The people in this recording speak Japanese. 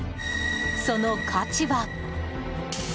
その価値は。